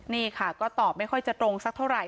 นี่ค่ะก็ตอบไม่ค่อยจะตรงสักเท่าไหร